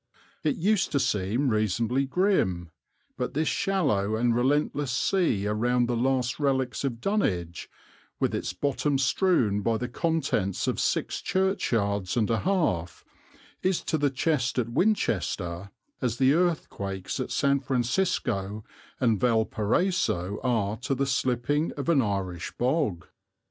It used to seem reasonably grim. But this shallow and relentless sea round the last relics of Dunwich, with its bottom strewn by the contents of six churchyards and a half, is to the chest at Winchester as the earthquakes at San Francisco and Valparaiso are to the slipping of an Irish bog.